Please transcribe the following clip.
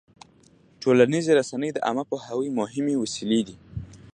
ټولنیزې رسنۍ د عامه پوهاوي مهمې وسیلې دي.